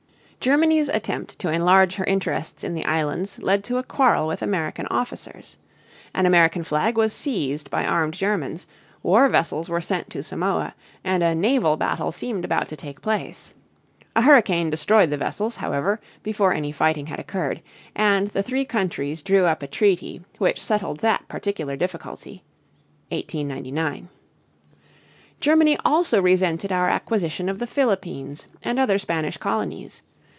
Germany's attempt to enlarge her interests in the islands led to a quarrel with American officers. An American flag was seized by armed Germans, war vessels were sent to Samoa, and a naval battle seemed about to take place. A hurricane destroyed the vessels, however, before any fighting had occurred, and the three countries drew up a treaty which settled that particular difficulty (1899). Germany also resented our acquisition of the Philippines and other Spanish colonies.